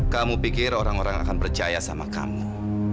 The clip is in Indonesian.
kamu pikir orang orang akan percaya sama kamu